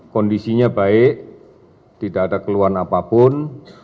kondisinya baik tidak ada keluhan apapun